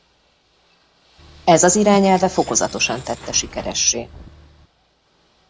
Ez az irányelve fokozatosan tette sikeressé.